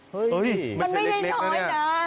เฮ้ยมันไม่ได้น้อยนะ